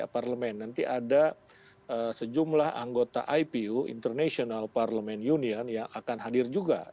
parlemen nanti ada sejumlah anggota ipu international parlemen union yang akan hadir juga